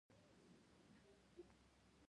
سیلابونه د افغانستان د اجتماعي جوړښت یوه برخه ده.